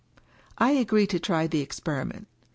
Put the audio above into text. I agreed to try the experiment.